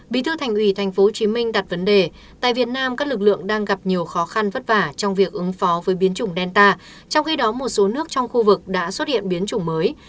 bí thư thành ủy tp hcm đặt vấn đề tại việt nam các lực lượng đang gặp nhiều khó khăn vất vả trong việc ứng phó với biến chủng delta trong khi đó một số nước trong khu vực đã xuất hiện biến chủng mới